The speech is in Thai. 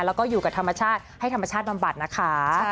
แล้วก็อยู่กับธรรมชาติให้ธรรมชาติบำบัดนะคะ